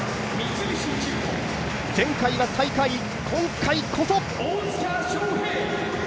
前回は最下位、今回こそ。